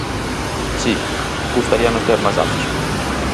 Si, gustaríanos ter máis datos.